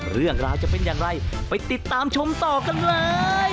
เรื่องราวจะเป็นอย่างไรไปติดตามชมต่อกันเลย